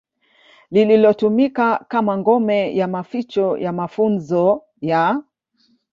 lililotumika kama ngome ya maficho ya mafunzo ya